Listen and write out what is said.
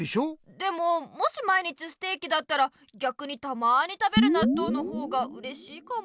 でももし毎日ステーキだったらぎゃくにたまに食べるなっとうの方がうれしいかも。